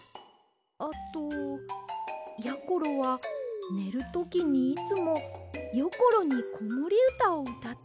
あとやころはねるときにいつもよころにこもりうたをうたってもらうんです。